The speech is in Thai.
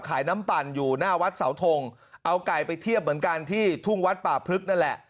น้ำปั่นอยู่หน้าวัดเสาทงเอาไก่ไปเทียบเหมือนกันที่ทุ่งวัดป่าพลึกนั่นแหละ